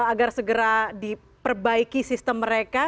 agar segera diperbaiki sistem mereka